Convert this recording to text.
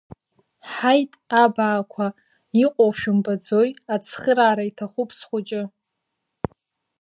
Ҳаит, абаақәа, иҟоу шәымбаӡои, ацхыраара иҭахуп схәыҷы!